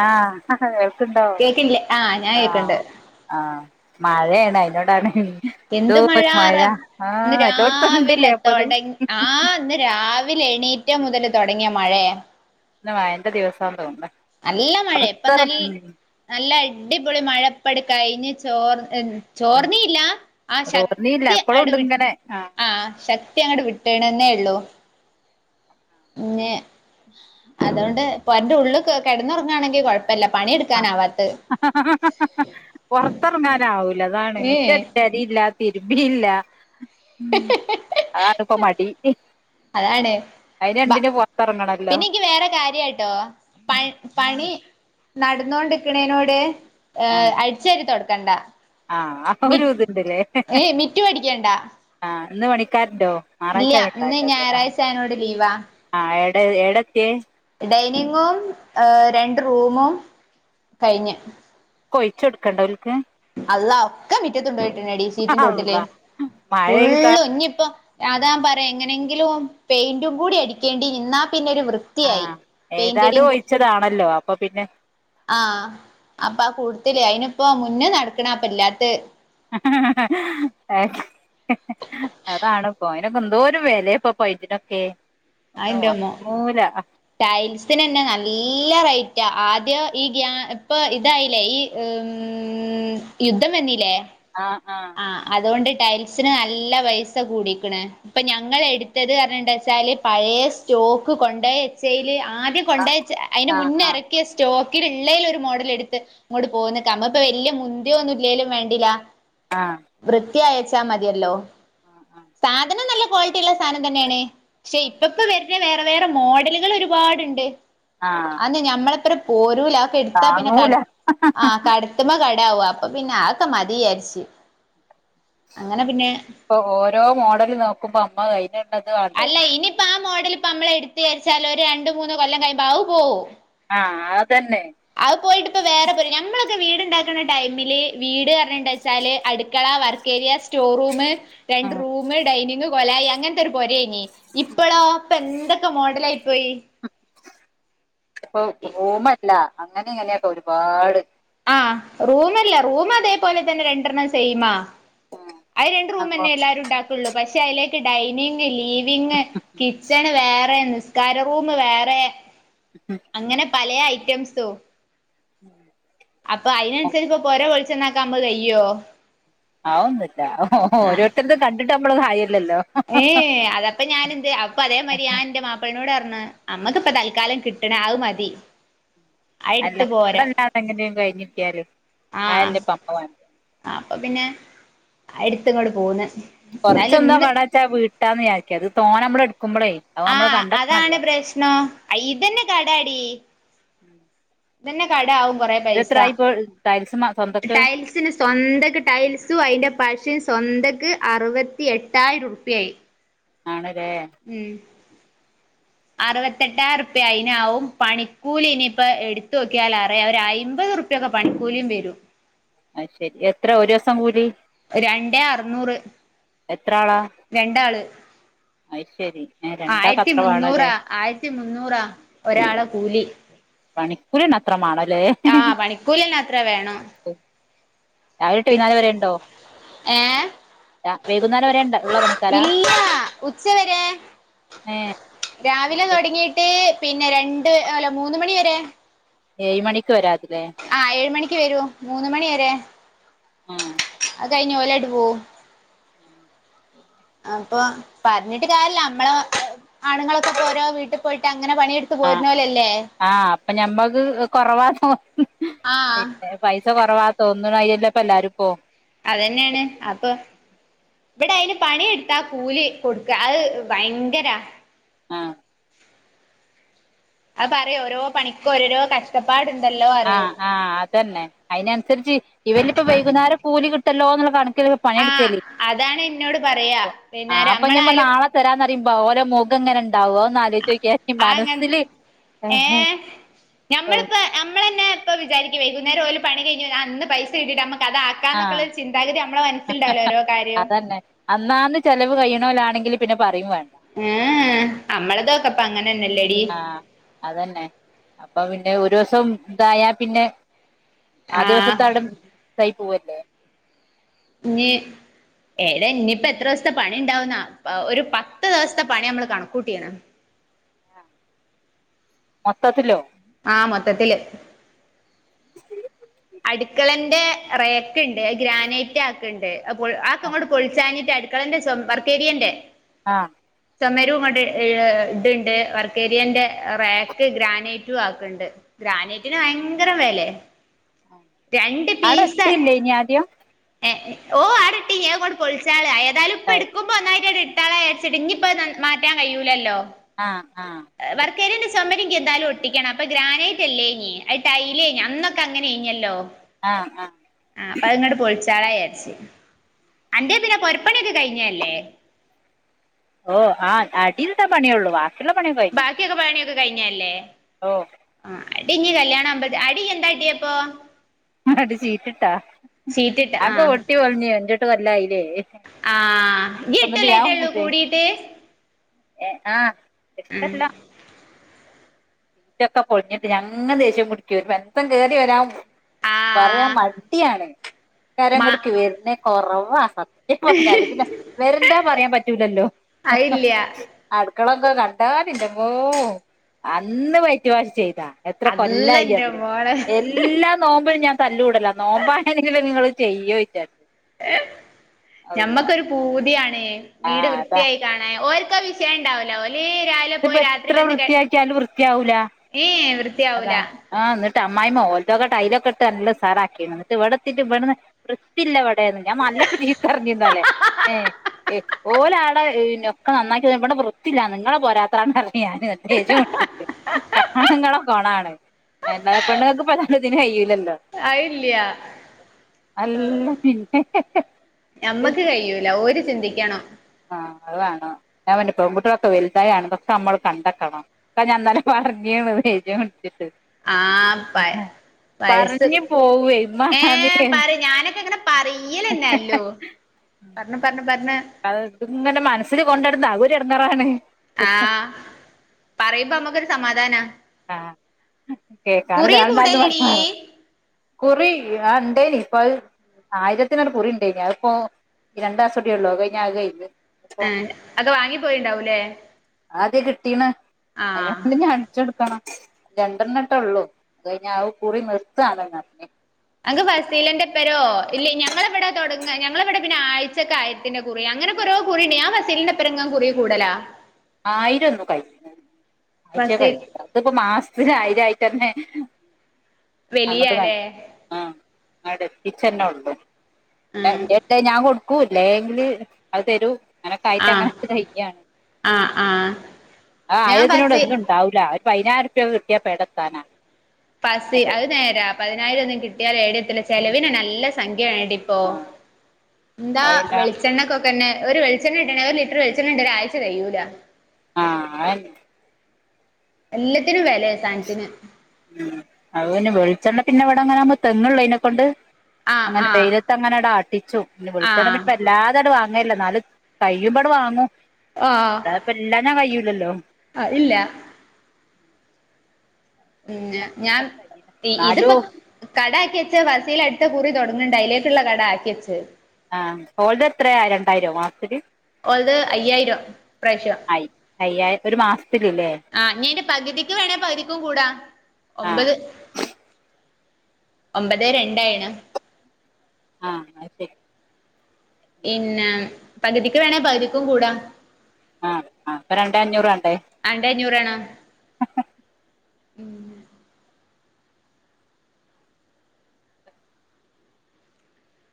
ആഹ് കേൾക്കുണ്ടോ കേക്കില്ലേ ആഹ് ഞാൻ കേക്കണ്ട് ആഹ് ആഹ് മഴയാണ് അയിതിനോടാണ് എന്ത് മഴ റ ഇന്ന് രാവിലെ എല്ലോട്ത്തുണ്ട്ല്ലേ അപ്പത് തൊട ആഹ് ഇന്ന് രാവി വിലെ എണീറ്റ മുതല് തുടങ്ങിയ മഴയ ന്ന് മയന്റെ ദിവസ തോന്ന്ണ് നല്ല മഴയ ഇപ്പ പൊറത്തെറ നൽ ഉം നല്ല അടിപൊളി മഴപ്പടു കഴിഞ് ചോർ എൻ ഉം ചോർന്നീല്ല ആ തോർന്നീല്ല ശക്തി ഇപ്പളുണ്ട് അടുവി ഇങ്ങനെ ആഹ് ആ ശക്തി അങ്ങട്ട വിട്ടേണെന്നേ ഉള്ളൂ ന്ന അതുകൊണ്ട് ഇപ്പൊ അവന്റെ ഉള്ളള് കിടന്നുറങ്ങാണെങ്കി കുഴ ആ പുറത്തിറങ്ങാനാവൂല അതാണ് മുറ്റ ഏഹ് അടിച്ചാരി ഇല്ല തിരുമ്പിയില്ല ഉം ആ അതിനാപ്പൊ മടി അതാണ് അയിന് രണ്ടിനും പൊറത്തെറങ്ങണല്ലോ പിന്നെ എക്ക് വേറെ കാര്യായിട്ടോ പ പണി നടന്നോണ്ടിരിക്കണേനോട് ഏ ആഹ് അഴിച്ചവാരി തുടുക്കണ്ട ആഹ് ആ മ ഒരു ഇത്ണ്ട്ല്ലേ ഏ മിറ്റടിക്കണ്ടാ ഒന്ന് പണിക്കാരണ്ടോ ഞറാഴ്ചാല ഇന്ന് കേട്ടെ ആ ഞായറാഴ്ച ആയനോട് ലീവാ ആ എ എടക്ക ഡൈനിങ്ങും ഏ രണ്ട് റൂമും കഴിഞ്ഞ് കൊഴിച്ച കൊടുക്കണ്ട അവലക്ക് അള്ള ഒക്കെ മറ്റത്തുണ്ട പോയിട്ടുടി സീറ്റിന്റെ ഒട്ടില് അള്ളാ മഴ പെയ്താ ഫുള്ള് ഒഞ്ഞിപ്പ അതാൻ പറയാ എങ്ങനെങ്കിലും പെയിന്റും കൂടി അടിക്കേണ്ടി നിന്നാ പിന്നീട് ആ വൃത്തിയായി പെയിന്റടി ഏതായാലും ഒഴിച്ചതാണല്ലോ അപ്പൊ പിന്നെ ആ അപ്പം ആ കൂട്ടത്തില് അയിനിപ്പം മുന്നേ നടക്കണ അപ്പ ഇല്ലാത്ത അതാണ് പോയി എന്തോ ഒരു വിലയാപ്പൊ പൈപ്പിനൊക്കെ ഒന്ന് അതെന്റെമ്മോ വാങ്ങൂല ടൈൽസിന് തന്നെ നല്ല റേറ്റാ ആദ്യം ഈ ഗ്യാ ഇപ്പൊ ഇതായില്ലേ ഈ ഉം യുദ്ധം വരുന്നില്ലേ ആ അതുകൊണ്ട് ടൈൽസിന് നല്ല പൈസ കൂടിക്കണ് ഇപ്പൊ ഞങ്ങൾ എടുത്തത് കാരണം എന്താ വച്ചാല് പഴയ സ്റ്റോ സ്റ്റോക്ക് കൊണ്ടോയി വെച്ചയിൽ ആദ്യം ആ കൊണ്ടോയിവച്ച അതിന് മുന്ന് ആ ഇറക്കിയ സ്റ്റോക്ക് ക്കിൽ ഉള്ളേല് ഒരു മോഡൽ എടുത്ത് ഇങ്ങോട്ട പോന്ന് നമ്മക്ക് ഇപ്പൊ വലിയ മുന്തിയ ഒന്നും ഇല്ലേലും വേണ്ടില്ലാ ആ ക്കി അയച്ചാ മതിയല്ലോ ആ ആ സാധനം നല്ല ക്വാളിറ്റി ഉള്ള സാധനം തന്നെയാണ് പക്ഷെ ഇപ്പ ഇപ്പ വരുന്നെ വേറെ വേറെ മോഡലുകൾ ഒരുപാടുണ്ട് ആ അന്ന് ഞമ്മളത്ര പോരൂല അതൊക്കെ എടുത്താ പിന്നെ കട താങ്ങൂല ആ കടത്തുമ്മ ക ടാവും അപ്പൊ പിന്നെ അതൊക്കെ മതി വിചാരിച്ചു അങ്ങനെ പിന്നെ ഇപ്പൊ ഓരോ മോഡല് നോക്കുമ്പോ അമ്മ കഴിഞ്ഞ അല്ല ഇനിയിപ്പോ ആ മോഡൽ ഇപ്പം നമ്മള് എടുത്തു വിചാരിച്ചാൽ ഒരു രണ്ട് മൂന്ന് കൊല്ലം കഴിയുമ്പോ അതു പോകും ആ അതന്നെ അത് പോയിട്ട് ഇപ്പ വേറെ വരും ഞമ്മളൊക്കെ വീട് ഉണ്ടാക്കുന്ന ടൈമില് വീട് പറഞ്ഞിട്ട് വെച്ചാല് അടുക്കള വർക്ക് ഏരിയ സ്റ്റോർ റൂമ് രണ്ട് ഉം റൂമ് ഡൈനിങ് കൊലായി അങ്ങനത്തെ ഒരു പൊരയിനി ഇപ്പളോ ഇപ്പം എന്തൊക്കെ മോഡലായി പോയി ഇപ്പൊ റൂമല്ല അങ്ങനെ ഇങ്ങനെയൊക്കെ ഒരുപാട് ആ റൂമല്ല റൂം അതേപോലെ തന്നെ രണ്ടെണ്ണം സെയിമാ അത് രണ്ട് റൂം അങ്ങോ തന്നെ എല്ലാരും ഉണ്ടാക്കുള്ളൂ പക്ഷെ അതിലേക്ക് ഡൈനിങ്ങ് ലിവിംഗ് കിച്ചണ് വേറെ നിസ്കാര റൂമ് വേറെ അങ്ങനെ പല ഐറ്റംസോ അപ്പൊ അയിനനുസരിച്ച് ഇപ്പൊ പൊര പൊളിച്ച് നന്നാക്കാൻ നമ്മള് ചെയ്യോ ആവുന്നില്ല ഓ ഓരോരുത്തരത്ത് കണ്ടിട്ട് നമ്മള് [unintelligible] ഏ അതപ്പൊ ഞാന് എന്ത് അപ്പൊ അതേ മാതിരി ഞാന് എന്റെ മാപ്പിളേനോട് പറഞ്ഞ ഞ്ഞ് അമ്മക്കിപ്പം തൽക്കാലം കിട്ടണ അത് മതി അത് അല്ല എടുത്ത് പോരാ അതെല്ലാമെങ്ങനേം കഴിഞ്ഞിട്ടിയാല് [unintelligible] അപ്പ പിന്നെ അടുത്തങ്ങോട് പോകുന്ന കൊറച്ചെന്താ കടാച്ചാ വീട്ടാന്ന് വിചാരിക്കാം ഇത് തോന നമ്മള് എടു ആ അതാണ് പ്രശ്നം ഇതന്നെ കടാടി ഇതന്നെ കടാവും കൊറെ പൈസ ഇതെത്രായിപ്പോ ത ടൈൽസിന് സ്വന്തായിട്ട് ടൈൽസും അതിന്റെ പശയും സ്വന്ത ക്ക് അറുപത്തി എട്ടായിരം റുപ്പിയയായി ആണ ഉം അറുപത്തെട്ടായിരം റുപ്പിയ അതിനാവും പണിക്കൂലി ഇനിയിപ്പോ എടുത്തു നോക്കിയാൽ അറിയാം ഒരയിമ്പത് റുപ്പിയ ഒക്കെ പണിക്കൂലിയും വരും അത് ശരി എത്ര ഒരു ദിവസം കൂലി രണ്ടേ അറുനൂറ് എത്ര ആളാ അയ് ശരി രണ്ടാ ആയിരത്തി മുന്നൂറാ ആയിരത്തി മുന്നൂറാ ഒരാളെ [unintelligible] കൂലി പണിക്കൂലി ഒന്നും അത്ര [unintelligible] ആ പണിക്കൂലിയെല്ലാം അത്ര വേണം രാവിലെട്ട് പി പതിനാല് വരെ ഉണ്ടോ ഏഹ് ആ വൈകുന്നേരം വരെണ്ട ഉള്ള പണിക്കാരാ ഇല്ല ഉച്ചവരെ ആഹ രാവിലെ തുൊടങ്ങീട്ട് പിന്നെ രണ്ട് അല്ല മൂന്ന മണി വരെ ഏഴ് മണിക്ക് വരാതി ആ ഏഴ മണിക്ക് വരൂ മൂന്ന മണി വരെ ആ കഴിഞ്ഞ ഓലടി പോ ഉം അപ്പൊ പറഞ്ഞിട്ട് കാര്യില്ല നമ്മള് ആണുങ്ങളൊക്കെ പോരോ വീട്ടിൽ പോയിട്ട് അങ്ങനെ പണിയെടുത്ത് ആ പോയിരുന്നലല്ലേ പിന്നെ പൈസ കൊറവാ തോന്ന അയല്ലപ്പ എല്ലാരും ഇ പോ അതന്നെയാണ് അപ്പൊ ഇവിടെ അതിന് പണിയെടുത്താ കൂലി കൊടുക്ക അത് ഭയങ്കരാ ആഹ അത് പറ ഓരോ പണിക്കും ഓരോരോ കഷ്ടപ്പാട് ആഹ് ആഹ് അതന്നെ അതിനനുസരിച്ച് ഇവരി ഇപ്പൊ വൈകുന്നേരം കൂലി കിട്ടല്ലോന്നുള്ള ആഹ് കാണ അതാണ് എന്നോട് പറയാ പിന്നെ ണെടുക്കൊ നമ്മളായാലും നാളെ തരാന്ന ഓരോ മുഖ എങ്ങനെ ഉണ്ടാവോന്ന്ാല ചോക്കാ മനസ്സില് ഏഹ ഞമ്മളിപ്പ നമ്മളന്നെ ഇപ്പ വിചാരിക്കും വൈകുന്നേം ഒരുല പണിഴിഞ്ഞഞ് അന്ന് പൈ കിട്ട് നമ്മക്ക് ആഹ അതാക്കാന്നൊക്കെള്ള ചിന്താഗതി നമ്മളെ മനസ്സിലുണ്ടാവല്ലോ ഓരോ കാര്യവും അതന്നെ അന്നാന്ന് ചെിലവ് കഴ ാണെങ്കിൽ പിന്നെ പറയും വേണം ആ നമ്മളതോക്കെപ്പ അങ്ങനെന്നല്ലേ ആഹ അതന്നെ അപ്പൊ പിന്നെ ഒരു ദിവസം ഇതായാ പിന്നെ ആ ദിവസത്തെ അവിടെൈ പോവല്ലേ ഏതാ ഇനിയിപ്പോ എത്ര ദിവസത്തെ പണിണ്ടാവുന്ന ഒരു പത്ത് ദിവസത്തെ പണി നമ്മള് കണക്കൂട്ടിയണ ആ മത്തത്തില ആഹ മൊത്തത്തില് ഉ അടുക്കളന്റെ റേക്ക ഉണ്ട് ഗ്രാനൈറ്റ് ആക്ക ഉണ്ട് ആക്ക ആ അങ്ങോ് പൊളിച്ചാന അടുക്കളന്റെം ബർക്കേരിയന്റെ ആഹ സമരവും ക ഇതുണ്ട് വർക്കേരിയന്റെ റാക്ക് ഗ്രാനൈറ്റും ആക്കുണ്ട് ഗ്രാനേറ്റിന് ഭയങ്കര വില രണ്ട് ആടെ പീസ എത്തിയില്ലേ ഇനി ആദ്യം ഏ ഓ ആടെ ട്ടീ കൊണ്ട് പൊളിച്ചാള് ഏതാലും ഇപ്പ എടുക്കുമ്പോ ഒന്നായിട്ട താ അയച്ചിട്ട് ഇനി ഇപ്പോ മാറ്റാൻ കഴിയൂലല്ലോ ആഹ ആഹ് ആയി സമരംനിക്ക് എന്താലും ഒട്ടിക്കണം അപ്പൊ ഗ്രാനൈറ്റ്ല്ലേ കഴഞ്ഞഞ് അ അൈല കഴഞ്ഞഞ് അന്നൊക്കെങ്ങനെ കഴിഞ്ഞല്ലോ ആഹ ആഹ ചളച്ചി അന്റെറെ പിന്നെ പൊറപ്പണിയൊക്കെ കഴിഞ്ഞല്ലേ ഓ ആഹ് അടീൽട്ടാ പണിയോള്ളൂുവ ബാക്കിയൊക്കെ പണിയൊക്കെ കഴിഞ്ഞല്ലേ ഓ അടിഞ്ഞഞ് കല്യാണ ആുമ്പ അടി എന്താ അടിിയപ്പൊ അടി ചീറ്റിട്ടാ ഷീറ്റിട്ട് ആ അപ്പൊ ഒട്ടി പോഞ്ഞ എോട്ട് വല്ലായില്ലേ ആഹ ഗിട്ടലായിട്ടള്ളൂ കൂടിീട്ട് ഏ ആഹ് ഇഷ്ടല്ല വീറ്റൊക്ക പൊിഞ്ഞിട്ട് ഞങ്ങ ദേശ്യം കുടിിക്ക വരുമ്പോ എന്ത കേറി വരാ ആ പറയാ മടിയാണ് മ കാരങ്ങടക്ക് വരുന്ന കൊറവാ സത് ഇപ്പോ പിന്നെ വെറെന്താ പറയാൻ പറ്റൂലല്ലോ അയില്ല അടു മക്കളൊക്കെ കണ്ടാലിന്റെമ്മോ അന്ന് വയറ്റുവാഷ് ചെയ്ത എത്ര അള്ളന്റെ കൊല്ലാനായിയറിയോ മോളെ എല്ലാ നോമ്പിനും ഞാൻ തല്ല്കൂടല നോമ്പാണെങ്കിലും നിങ്ങൾ ചെയ്യോച്ചാ ഞമ്മക്കൊരു പൂതിയാണ് വീട് ആഹ് അതാ വൃത്തിയായി കാണാൻ ഓല് ഓൽക്കാ വിഷയണ്ടാവൂല ഇതിപ്പോ എത്ര വൃത്തിയാക്കിയാലും വൃത്തിയാവൂല ഏ അതാ വൃത്തിയാവൂല ആഹ എന്നിട്ട് അമായിമ്മ ഓലത്തോക്കെ ടൈലൊക്കെ നല്ല ഉഷാറാക്കിന്ന് എന്നിട്ട് ഇവിടെത്തിയിട്ട് ഇവിടെന്ന് വൃത്തിയില്ല ഇവിടെ ഞാൻ നല്ല ചീത്തപറിഞ്ഞി ഇന്നലെ ഏ എപ്പോളാണ് ഒക്കെ നന്നാക്കി ഇവിടെ വൃത്തില്ലാന്ന് നിങ്ങളെ പോരാത്രാണ് പറഞ്ഞ് ഞാന്‍ [inaudible] ആണുങ്ങളെ കോണാണ് പെണ്ണുങ്ങൾക്ക് എതായാലും ഇതിന്‌ കഴില്ലലോ അയില്ല നല്ല പിന്നെ നമ്മക്ക് കഴിയൂല ഓര് ചിന്തിക്കണം ആഹ് അത് വേണം ഞാൻ പറഞ്ഞ്‌ പെൺകുട്ടികൊക്കെ വലുതകുകയാണ് ഒക്കെ നമ്മള് കണ്ടെത്തണം. [unintelligible] പറഞ്ഞിണ് [unintelligible] ആഹ പൈസ പറഞ്ഞ് പോവേ ഏ ഇമ്മാതിരി പറയ് ഞാനൊക്കെ ഇങ്ങനെ പറയ്ലന്നെല്ലോ പറഞ്ഞ് പറഞ്ഞ് പറഞ്ഞ് അത് ഇങ്ങനെ മനസ്സിൽ കൊണ്ടിരുന്ന് അതൊരു ഇടങ്ങാറാണ് ആഹ പറയുമ്പോ നമ്മുക്കൊരു സമാധാനാ ആഹ കുറി കേക്കാനൊരാൾണ്ടായാലും കൂടല്ലടീ കുഴപ്പാ കുറി ഇണ്ടേയിനി ഇപ്പം അത് ആയിരത്തിന്റെരു കുറിണ്ടായിരുന്നു അത് ഇപ്പോ രണ്ടാസം കൂടിയേയള്ളൂ അത് കഴിഞ്ഞാൽ അത് കഴിഞ്ഞ് ഇപ്പൊ ആ അത് വാങ്ങി പോയിണ്ടാവൂലേ അതെ കിട്ടീണ് ആഹ് [unintelligible] രണ്ടെണ്ണംട്ടെ ഉള്ളൂ അത് കഴിഞ്ഞ അവൻ കുറി നിർത്താണെന്ന് അറിഞ്ഞ് അനക്ക് ഫസീലന്റെപേരോ ഇല്ല ഞങ്ങളെവിടെ തുടങ്ങ ഞങ്ങളെവിടെ പിന്നെ ആഴ്ചക്ക് ആയിരത്തിന്റെ കുറി അങ്ങനെ ഇൻക്ക് ഓരോ കുറിയിണ്ട് ഞാന്‍ ഫസീലിന്റെപ്പറങ്ങനെ കുറി കൂടലാ ആയിരം ഒന്നും കഴില്ല ആഴ്ച കഴി ഫസീൽ ല്ല അതിപ്പോ മാസത്തിന് ആയിരം ആഴച തന്നെ വലിയാല്ലേ അവിടെ എത്തിച്ചന്നെള്ളൂ പിന്നെ ആഹ് എന്റെടെത്ത് ഞാൻ കൊടുക്കൂല്ലെങ്കില് അത് തരൂ അങ്ങനക്കായിട്ട് ആഹ് അങ്ങനെ കയ്യാണ് ആഹ് ആഹ് ആ ഞാൻ ആയിരത്തിനോട് ഫസീ ഒന്നും ഉണ്ടാവൂല ഒരു പതിനായിം രുപ കൃട്ടിയ പേടത്താനാണ് പസി അത് നേരാ പതിനായിരം ഒന്നും കിട്ടിയൽ എട ക്കെല്ല ചെലവിന് നല്ല സംഖ്യ വണ്ടെ ഇപ്പോ ആഹ് എന്താ അത് പിന്നെ വെളിച്ചെണ്ണക്കൊക്കെ പിന്നെ ഒരു വെളിച്ചണ്ണ കിട്ടണെ ഒരു ലിറ്റർ വെിളിച്ചെണ്ടെങ്കിൽ ഒരാഴ്ച തികയൂല ആഹ് അഹന്നെ എല്ലത്തിനും വെലെ സാൻത്തിന് ഉം അത് പിന്നെ വെളിച്ചെണ്ണ പിന്നെ ഇവിടെ അങ്ങനെ അങ്ങ് തെങ്ങുള്ളതിനെ ക്കൊണ്ട് ആഹ് അങ്ങനെ ആഹ് വെയിലത്ത് അങ്ങനെ ആട്ടിച്ചു ഇല്ല വെളിച്ചെണ്ണ ആഹ് ഇപ്പം വല്ലാതെ വാങ്ങല്ല ഇന്നാലും കഴിയുമ്പോ ആട്ട് വാങ്ങും ആഹ് [unintelligible] കയ്യൂല ല്ലോ അതില്ല ഉമ് ഞാൻ പി ഇതിപ്പോ എന്നാലും കട ആക്കി ഫസീല അടുത്ത കുറി തുടങ്ങുന്നുണ്ട് അതിലേക്കുള്ള കട ആക്കിച്ചെ ആഹ് ഓൾത എത്രയാ രണ്ടായിരോ മാസ്ത്തില്‍ ഓൾതെ അയ്യായിരം ഇപ്രാശ്യം ആയി അയ്യായിരം ഒരു മാസത്തിലില്ലേ ആഹ് ഇനി അയിന്റെ പകുതിക്ക് വേണേ പകുതിക്കും കൂടാ ആഹ് ഒമ്പത് ഒമ്പതെ രണ്ടായിണ് ആഹ് ഇന്നാ ശരി പിന്നെ പകുതിക്ക് വേണേ പകുതിക്കും കൂടാ ആഹ് ആഹ് ഇപ്പൊ രണ്ടേ അഞ്ഞൂറാണ്. രണ്ടെ അഞ്ഞൂറാണ് ഉമ്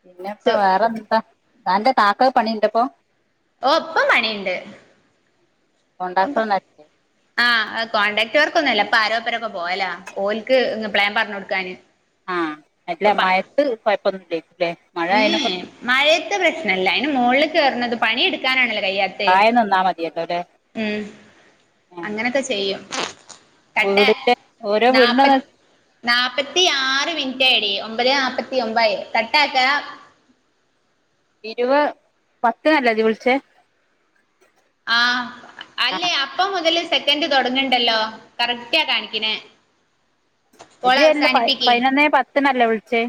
പിന്നെപ്പോ വേറെന്ത് ത്താ താന്റെ കാക്ക പണിണ്ടപ്പൊ ഓഹ് ഇപ്പം പണിയിണ്ട് [unintelligible] ആഹ് കോൺടാക്ട് വർക്ക് ഒന്നു ല്ല ഇപ്പ ആരോപ്പരൊക്ക പോല ഓൽക്ക് പ്ലാൻ പറഞ് കൊടുക്കാന് ആഹ് ഇപ്പൊ അല്ല പ മഴത്ത് കൊഴപ്പൊന്നുല്ലെകു ല്ലെ മഴ ആയേനെ കൊണ്ട് [unintelligible] പ്രശ്നം ഇല്ല അയ്ൻ മോൾ കേർണത് പണിയെടുക്കാനാണല്ലോ കയ്യാത്തെ താഴെ നിന്നാ മതിയല്ലോ ല്ലേ ഉമ് ആഹ് അങ്ങനോക്കെ ചെയ്യും കട്ട വീടിന്റെ ഓരോ വീടിന്റെ നാപ്പ നാപ്പത്തി ആറ് മിനിറ്റ് ആയടി ഒമ്പത് നാപ്പത്തി ഒമ്പായി കട്ടാ [unintelligible] ഇരുവ പത്തിനല്ലേ ജ് വിൽച്ചേ. ആഹ് അല്ലെ അപ്പം മുതല് സെക്കൻ് തൊടങ്ങ്ണ്ടല്ലോ കറക്റ്റാ കാണിക്ക്ണെ. ഇജെല്ല പ പയ്നൊന്നോ പത്ത്നല്ലേ വിൾച്ചേ